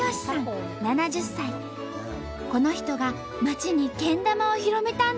この人が町にけん玉を広めたんだって！